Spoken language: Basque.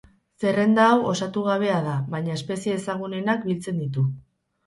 Zerrenda hau osatu gabea da, baina espezie ezagunenak biltzen ditu.